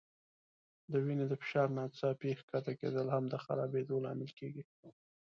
د وینې د فشار ناڅاپي ښکته کېدل هم د خرابېدو لامل کېږي.